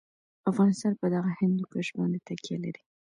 افغانستان په دغه هندوکش باندې تکیه لري.